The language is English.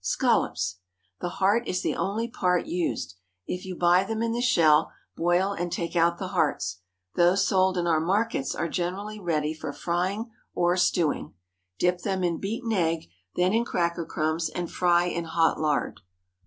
SCALLOPS. The heart is the only part used. If you buy them in the shell, boil and take out the hearts. Those sold in our markets are generally ready for frying or stewing. Dip them in beaten egg, then in cracker crumbs and fry in hot lard.